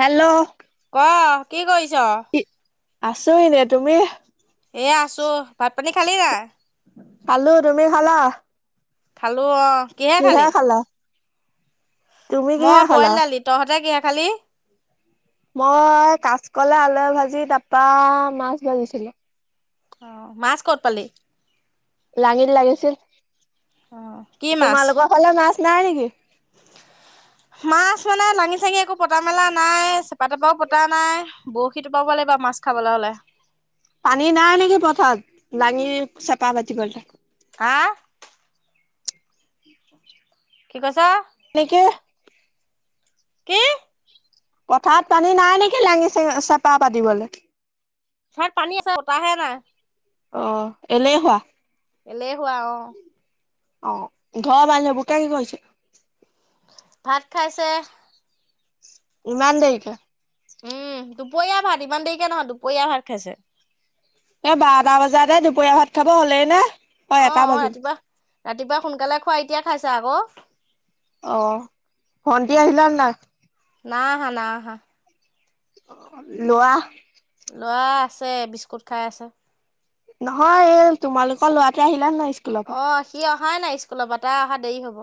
Hello ক'ৰ কি কৰিছ? আছোঁ এনে, তুমি? এই আছোঁ, ভাত পানী খালি নাই? খালোঁ, তুমি খালা? খালোঁ অ' কিহে খালা? তুমি মই কিহে খালা ব'ইল দালি, তহঁতে কিহে খালি? মই কাঁচকলে আলুয়ে ভাজি তাৰপা মাছ ভাজিছিলোঁ৷ অ' মাছ ক'ত পালি? লাঙিত লাগিছিল অ কি মাছ? তোমালোকৰ ফালে মাছ নাই নেকি? মাছ মানে লাঙি-চাঙি একো পতা মেলা নাই। চেপা তেপাও পতা নাই বৰশী টো বাব লাগিব মাছ খাবলৈ হলে। পানী নাই নেকি পথাৰত লাঙি চেপা পাতিবলে। হা, কি কৈছ? [unintelligible] কি? পথাৰত পানী নাই নেকি লাঙি লানি চেপা পাতিবলে। পথাৰত পানী আছে পতা হে নাই। অ' এলেহুৱা। এলেহুৱা অ', অ ঘৰ মানুহ বুকে কি কৰিছে? ভাত খাইছে। ইমান দেৰিকে। উম দুপৰীয়া ভাত, ইমান দেৰিকে নহয় দুপৰীয়া ভাত খাইছে। এ বাৰটা বজাতে দুপৰীয়া ভাত খাব হ'লেই নে? এটা অ', অ', বাজিল ৰাতিপুৱা ৰাতিপুৱা সোনকালে খোৱা, এতিয়া খাইছে আকৌ। অ', ভন্টি আহিলা ন নাই? নাই আহা, নাই আহা। ল'ৰা ল'ৰা আছে, বিস্কুট খাই আছে। নহয় এই তোমালোকৰ ল'ৰাটো আহিলা নাই? স্কুলৰ পৰা? অ', সি অহাই নাই স্কুলৰ পৰা, তাৰ অহা দেৰি হ'ব,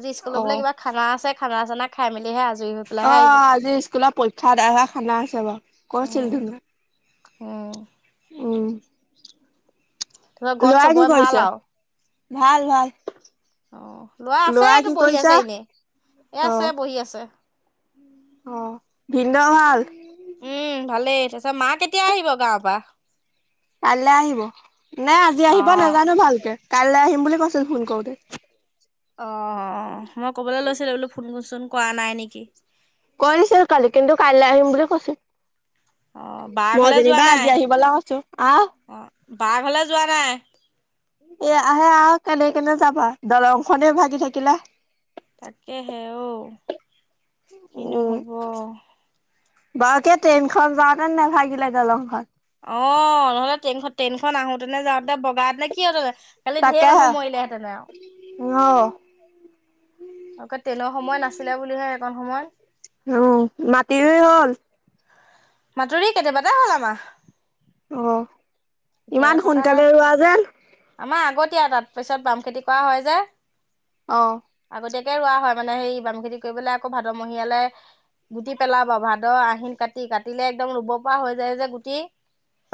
আজি স্কুলৰ অ' বোলে অ', কিবা খানা আছে। খানা চানা খাই মেলিহে আজ অ', আজি স্কুলত পৰীক্ষা আদায় হোৱা খানা আছে বাৰু, কৈছিল উম উম ধুনুৱে। উম। তাৰপিছত ঘৰত ল'ৰাই কি চবৰে ভাল কৰিছে? আৰু ভাল, ভাল। অ', ল'ৰা আছে ল'ৰাই এইটো কি বহি কৰিছে? আছে এনেই, এ আছে অ' বহি আছে। অ', ভিন্দ'ৰ ভাল? উম, ভালেই তাৰপিছত মা কেতিয়া আহিব গাঁওৰ পৰা? কাইলৈ আহিম নে আজি আহিব অ' নাজানোঁ ভালকে কাইলৈ আহিম বুলি কৈছোঁ। ত' ফোন কৰোঁতে। অ', মই ক'বলৈ লৈছিলো বোলো ফোন কোন চোন কৰা নাই নেকি। কৰিছিল কালি কিন্তু কাইলৈ আহিম বুলি কৈছে। অ' বা মই ঘৰলে যোৱা যেনিবা নাই আজি আহিবলে কৈছো, আহ। অ' বা ঘৰলে যোৱা নাই। এই আহে আহ আ কেনেকেনো যাবা দলং খনে ভাগি থাকিলে। তাকেহে অহ' কিনো উম, হ'ব। বাৰুকে ট্ৰেইনখন যাওঁতে নাভাগিলে দলংখন। অ' নহ'লে ট্ৰেইনখন ট্ৰেইনখন আহোতেনে যাওঁতে ভগা হতেন কি হ'ল হ'লে। কালি ঢেৰ মানুহ তাকেহে। মৰিলেহেঁতেনে আৰু অ', বাৰুকে ট্ৰেইনৰ সময় নাছিলে বুলিহে সেইকণ সময়। উম, মাটি ৰুই হ'ল? মাতি ৰুই কেতিয়াবাতে হ'ল আমাৰ। আহ এতিয়ালৈ ইমান সোনকালে ৰোৱা যেন কি আৰু তাৰ পিছত পাম খেতি কৰা হয় যে। অহ' আগতীয়াকে ৰোৱা হয় মানে সেই বাম খেতি কৰিবলৈ আকৌ ভাদমহীয়ালে গুটি পেলাব, ভাদ, আহিন, কাটি কাটিলে একদম ৰুব পৰা হৈ যায় যে গুটি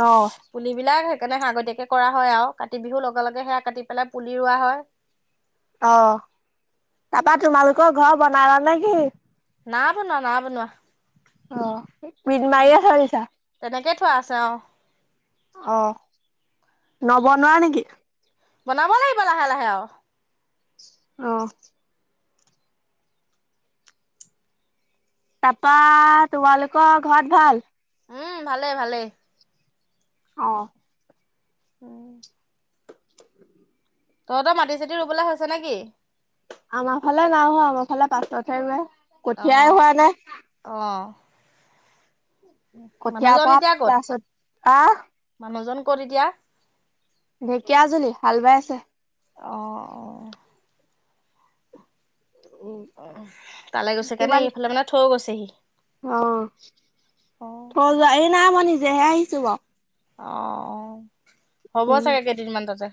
অ' পুলিবিলাক সেইকাৰণে আগতীয়াকে কৰা হয় আৰু কাতি বিহু লগে লগে সেয়া কাটি পেলাই পুলি ৰুৱা হয়। অ' তাৰাপা তোমালোকৰ ঘৰ বনালা নে কি? না বনোৱা না বনোৱা। অহ' বিট মাৰিয় আ চোৱালিছা খোৱা আছা অ' আহ নব নোৱাৰা নেকি? বনাব লাগিব লাহে লাহে আৰু অহ' তাৰপা তোমালোকৰ ঘৰত ভাল? উম, ভালে ভালেই। অহ' উম। তহঁতৰ মাটি চেতি ৰুবলৈা হৈছে নেকি? আমাৰ ফালে নাই হোৱা আমাৰ ফালে পাছতহে [unintelligible] অ কঠিয়াই হোৱা নাই। অ মানুহজন [unintelligible] নজন কৰি এতিয়া। ঢেকীয়া আজুলি হাল বাই আছে। অ', অ, উম, অ, তালে গৈছে কাৰণে তোমালোকে এইফালে মানে থৈ গৈছেহি। অ', অ থই যোৱা এই নাই মই নিজেহে আহিছোঁ বাউ। অ', হ'ব উম চাগে কেইদিনমান তাতে।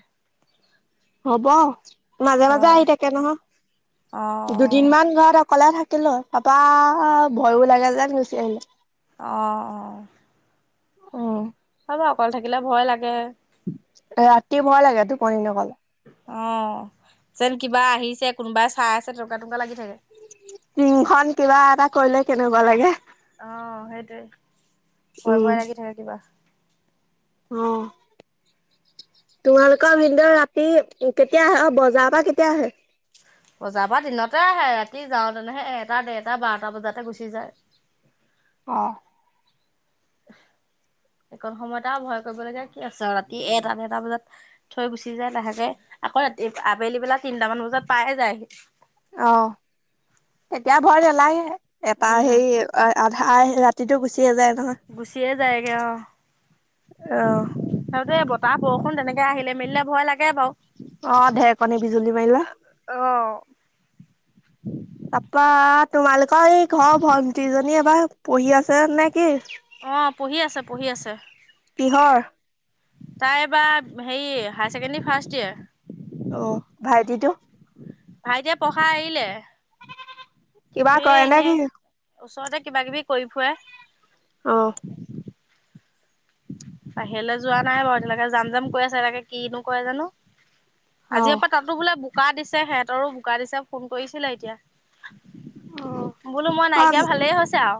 হ'ব মাজে অ মাজে আহি থাকে নহয়, অ দুদিন মান ঘৰত কলে থাকিলো, তাপা ভয়ো লাগে যেন গুচি আহিলো। অ, অ। অ। অকল থাকিলে ভয় লাগে। ৰাতি ভয় লাগে টোপনী নগলে। অ যেন কিবা আহিছে, কোনোবাই চাই আছে, তেনেকুৱা তেনেকুৱা লাগি থাকে। টিংখন কিবা এটা কৰিলে কেনেকুৱা লাগে। অ সেইটোৱে ভয় উম। ভয় লাগি থাকে কিবা। অ তোমালোকৰ ভিনদউ ৰাতি কেতিয়া আহে, অ বজাৰ পৰা কেতিয়া আহে? বজাৰ পৰা দিনতে আহে, ৰাতি যাওঁ তেনেহে এটা দেৰটা বাৰটা বজাতে গুচি যায়। [inaudible] অ। [inaudible] সে কন সময়ত আৰু ভয় কৰিব লগীয়া কি আছে আৰু, ৰাতি এটা ডেৰটা বজাত থৈ গুচি যায় লাহেকে। আকৌ ৰা আবেলি বেলা তিনটামান বজাত পাই যায়হি। অ। এতিয়া ভয় নালগে, এটা উম সেই আধা ৰাতিটো গুচি গুছিয়ে যায় নহয়। গুছিয়ে যায়গে অ। অ। মুঠতে বতাহ, বৰষুণ তেনেকে আহিলে মেলিলে ভয় লাগে বাৰু। অ ঢেৰকণী বিজুলী মাৰিলে। তাপা আকৌ এই ঘৰ ভন্টিজনী এবাৰ পঢ়ি আছেনে কি? অ পঢ়ি আছে পঢ়ি আছে। কিহৰ? তাই এবাৰ হেৰি হাই ছেকেণ্ডেৰী ফাৰ্ষ্ট ইয়েৰ। অ', ভাইটিটো? ভাইটিয়ে পঢ়া এৰিলে। কিবা সেয়ে কৰেনে এনেই কি? ওচৰতে কিবা, কিবি কৰি ফুৰে। অ'। বাহিৰলে যোৱা নাই বাৰু এতিয়ালৈকে যাম, যাম কৈ আছে, তাকে, কিনো কৰে জানোঁ? অ আজিৰে পৰা তাতো বোলে বোকা দিছে, সিহেঁতৰো বোকা দিছে, ফোন কৰিছিলে এতিয়া। বোলোঁ মই নাইকিয়া ভালেই হৈছে আৰু।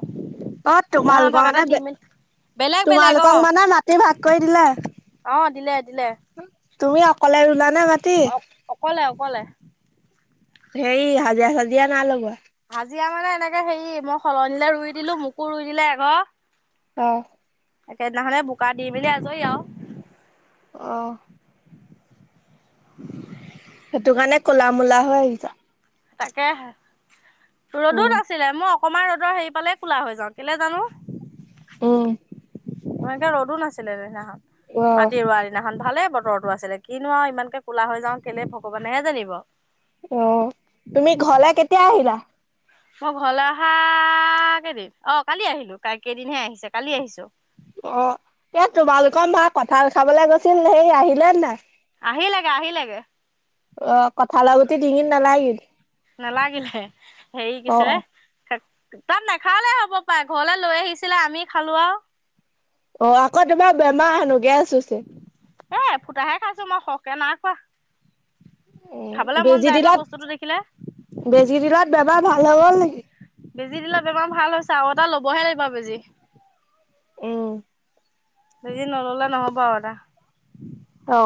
অ মই তোমালোকৰ নথকাতে দি, মেলি বেলেগ, বেলেগ। অ কক, মানে মাটি ভাগ কৰি দিলে। অ দিলে দিলে তুমি অকলে ৰুলানে মাতি? অ অকলে অকলে। হেই হাজিৰা, চাজিৰা নাই লগোৱা? হাজিৰা মানে এনেকে হেৰি মই সলনিলে ৰুই দিলোঁ, মোকো ৰুই দিলে এঘৰ অ'। সেইদিনাখনে বোকা দি মেলি আজৰি আৰু। অহ। [unintelligible] সেইটো কাৰণে ক'লা-মূলা হৈ আহিছা। তাকেহে ৰ'দো উম নাছিলে মোক অকমান ৰ'দৰ হেৰি পালে কোলা হৈ যাওঁ কেলৈ জানো। অহ। ম এনেকে ৰ'দো নাছিলে সে সেই দিনাখন অ মাটি ৰোৱাৰ দিনাখন। ভালে বতৰো আছিলে কিনো আৰু ইমানকে কোলা হৈ যাওঁ কেলে ভগৱানেহে জানিব। অ' তুমি ঘৰলৈ কেতিয়া আহিলা। মোৰ ঘৰলৈ অহা কেইদিন অ' কালি আহিলো কাই কেইদিনহে আহিছে কালি আহিছো। অ' এয়া তোমালোকৰ মা কঠাল খাবলে গৈছিল সেই আহিলে নাই। আহিল লেগে আহি লেগে। অহ, কঠালৰ গুটি ডিঙিত নালাগিল। নালাগিলহে, হেৰি অ অ। পিছে তাত নাখালালেও হব পাই, ঘৰলে লৈ আহিছিলে আমি খালো আৰু অ আকৌ তোমাৰ বেমাৰ হেনো, গেছ হৈছে। এ এফুটাহে খাইছো মই, সৰকে নাই খোৱা। উ, খাবলৈ মন বেজি যায় নহয় দিলত, বস্তুটো দেখিলে বেজি দিনল বেমাৰ ভাল হৈ গল নেকি বেজি দিলত বেমাৰ ভাল হৈছে আৰু এটা লবহে লাগিব বেজি। উম বেজি নললে নহব আৰু এটা। অ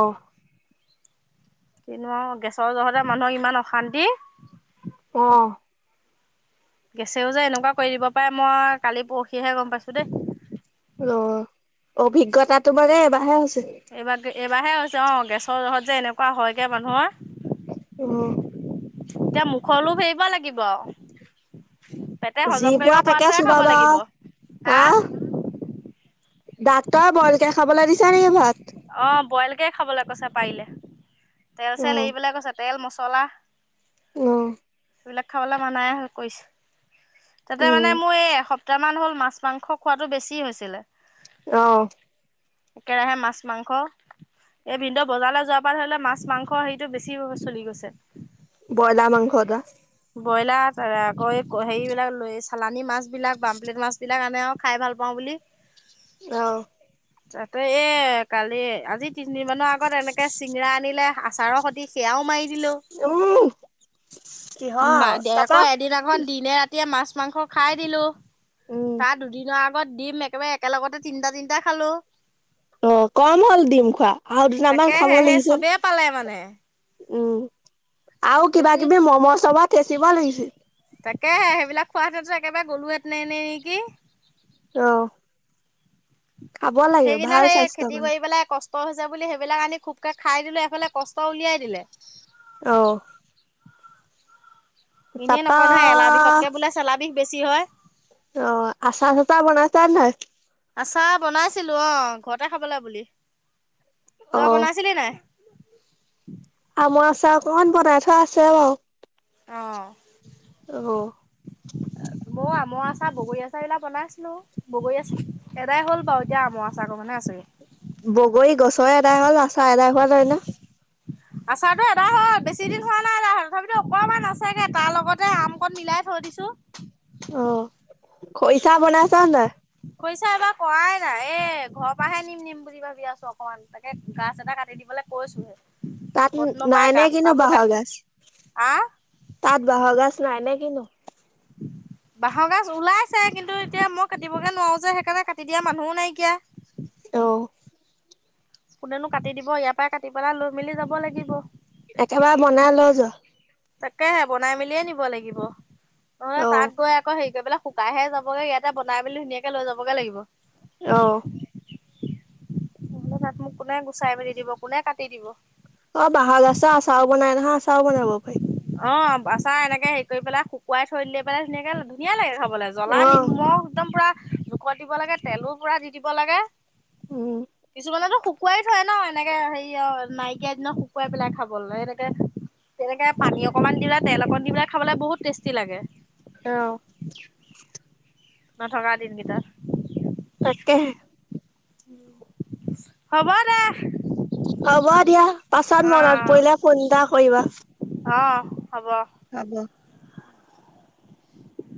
কিনো আও, গেছৰ জহতে মানুহৰ ইমান অশান্তি। অহ গেছেও যে এনেকুৱা কৰি দিব পাৰে, মই কালি পৰসিহে গম পাইছো দেই। অভিজ্ঞতাতো মানে এবাৰহে হৈছে। এইবাৰ এইবাৰহে হৈছে অহ, গেছৰ যহত যে এনেকুৱা হয়গে মানুহৰ উম এতিয়া মুখৰ‌লোভ এৰিব লাগিব। পেটে যি হজম কৰিব পোৱা তাকে পৰাটোহে খাব চোবাবা আও। লাগিব, হা ডাক্তৰ বইলকে খাবলৈ দিছে নেকি ভাত। অহ বইলকে খাবলৈ কৈছে পাৰিলে, তেল অ চেল এৰিবলৈ কৈছে। তেল, মছলা অহ সেইবিলাক খাবলৈ মানায় ‌এ‌ই কৰিছে, তাতে উম মানে মোৰ এই কেইটামান হল মাছ, মাংস খোৱাটো বেছি হৈছিলে। অহ একেৰাহে মাছ মাংস, এই ভিন্দ বজাৰলৈ যোৱাৰ পৰা ধৰিলে মাছ - মাংস হেৰিটো বেছি চলি গৈছে। ব্ৰইলাৰ মাংস, এটা। ব্ৰইলাৰত আকৌ হেৰিবিলাক ল চালানী মাছবিলাক বামপ্লেট মাছবিলাক আনে আৰু খাই ভাল পাওঁ। বুলি। অহ। তাতে এ কালি আজি তিনিদিন মানৰ আগত এনেকে চিঙৰা আনিলে। আচাৰৰ সতি সেয়াও মাৰি দিলো উম, কি হয়? আকৌ এদিনাখন দিনে ৰাতিয়ে মাছ, মাংস খাই দিলো। উম তাৰ দুদিনৰ আগ ডিম একেবাৰে একেলতে তিনিটা -তিনিটা খালো। অ, কম হ'ল ডিম খোৱা, আৰু দুটামান খাব তাকেহে সেই লাগিছিল। চবেই পালে মানে উম, আৰু কিবা বেছি কিবি মম' চম থেচিব লাগিছিল। তাকেহে, সেইবিলাক খোৱাহতেটো একেবাৰে গ'লোহেতেনে নেকি। অহ। সেইগিলাক সেই স্বাস্থ্যৰ খেতি কাৰণে কৰি পেলাই, কষ্ট কষ্ট হৈছে বুলি সেইবিলাক আনি খুবকে খাই দিলো। এইফালে কষ্ট উলিয়াই দিলে। অহ'। এনেই নকয় নহয়, এলা বিষতকে বোলে চেলা বিষ বেছি হয়। অহ', আচাৰ চাচাৰ বনাইছা নাই? আচাৰ বনাইছিলো, অহ। ঘৰতে খাবলৈ বুলি। অ তই বনাইছিলি নাই? [unintelligible] মই আচাৰ অকণমান বনাই থোৱা আছে বাৰু। অহ'। অহ'। ময়ো [inaudible] আমৰ আচাৰ বগৰী আচাৰ বিলাক বনাইছিলো। বগৰী আচাৰ এটাই হ'ল বাৰু। আমৰ আচাৰ কাৰণেটো আছেগে। বগৰী গছৰে আদাই হ'ল। আচাৰ আদাই হোৱা হয় ন। আচাৰো এটা হ'ল বেছি দিন হোৱা নাই। এ তথাপিতো অকমান আছেগে তাৰ লগতে আমকত মিলাই থৈ। দিছো। অহ, খৰিছা বনাইচা নাই? খৰিচা এইবাৰ কৰাই এই ঘৰৰ পৰাহে নিম -নিম বুলি ভাবি আছো। অকনমান তাকে গছ এটা কাটি দিবলৈ কৈছো হে। তাত নাই-নাই কিন্তু বাঁহৰ গাজ, আহ তাত বাঁহৰ গাছ। নাই নে কিনো। বাঁহৰ গাজ ওলাইছে। কিন্তু এতিয়া মই কাটিবগে নোৱাৰো যে। সেইকাৰণে কাটি দিয়া মানুহো নাইকিয়া। অহ'। কোনো কাটি দিব। ইয়াৰ পৰাই কাটি পেলাই লৈ মেলি যাব লাগিব। একেবাৰে বনাই লৈ যোৱা। তাকে, বনাই মেলিয়ে নিব লাগিব। নহ'লে অ তাত গৈ আকৌ হেৰি কৰি পেললে পাইহে যাবগে। ইয়াতে বনাই মেলি ধুনীয়াকে লৈ যাবগে লাগিব। অহ'। নহ'লে তাত মোক কোনে গুচাই মেলি দিব কোনে কাটি দিব? অহ', বাহ গাজে আচাৰ বনাই নহয় আচাৰও বনাব পাৰি। অহ' আচাৰ এনেকে হেৰি পেলাই শুকুৱাই থৈ দিলে, পেলাই ধুনীয়াকে ধুনীয়া লাগে। জ্বলা অ নিমখ একদম পুৰা জোকত দিব লাগে। তেলো পুৰা দি দিব লাগে। উম তোমালো শুকুৱাই থয় ন। এনেকে হেৰি অহ, নাইকিয়া দিনৰ শুকুৱাই পেলাই খাব লে এনেকে। তেনেকে পানী অকণমান দিলে পেলাই তেল অকণ দিলে পেলাই খাবলৈ বহুত টেষ্টি লাগে। অহ'। নথকা দিনকেইটাত। তাকে‌হে। হ'ব, দে। হ'ব দিয়া। পাছত মনত পৰিলে ফোন এটা কৰিবা। অহ' হ'ব। হ'ব।